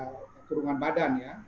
pidana kurungan badan ya